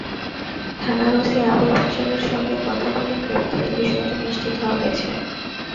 থানার ওসি আবুল বাশারের সঙ্গে কথা বলে গ্রেপ্তারের বিষয়টি নিশ্চিত হওয়া গেছে।